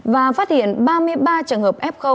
và phát hiện ba mươi ba trường hợp f